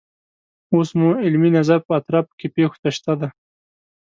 اوس مو علمي نظر په اطرافو کې پیښو ته شته دی.